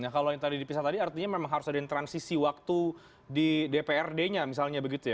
nah kalau yang tadi dipisah tadi artinya memang harus ada yang transisi waktu di dprd nya misalnya begitu ya